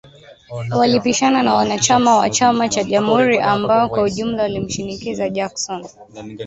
Walipishana na wana chama wa chama cja jamhuri ambao kwa ujumla walimshinikiza Jackson